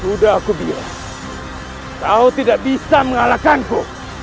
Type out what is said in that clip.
udah aku bilang kau tidak bisa mengalahkanku